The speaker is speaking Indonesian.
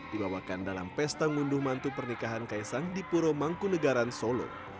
dibawakan dalam pesta ngunduh mantu pernikahan kaisang di puro mangkunegaran solo